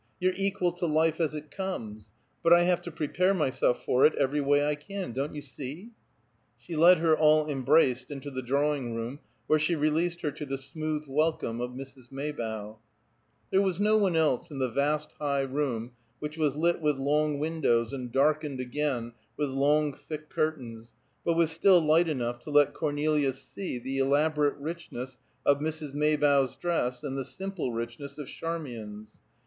You're equal to life as it comes. But I have to prepare myself for it every way I can. Don't you see?" She led her, all embraced, into the drawing room, where she released her to the smooth welcome of Mrs. Maybough. There was no one else in the vast, high room which was lit with long windows and darkened again with long, thick curtains, but was still light enough to let Cornelia see the elaborate richness of Mrs. Maybough's dress and the simple richness of Charmian's.